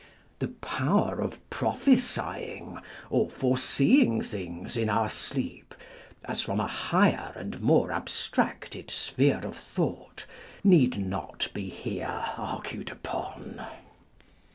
The power of prophesying or foreseeing things in our sleep, as from a higher and more abstracted sphere of On Dreams. 27 thought, need not be here argued upon.